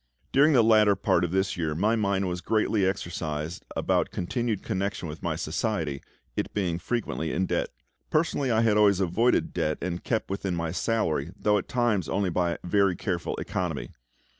During the latter part of this year my mind was greatly exercised about continued connection with my Society, it being frequently in debt. Personally I had always avoided debt, and kept within my salary, though at times only by very careful economy.